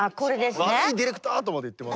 悪いディレクターとまで言ってます。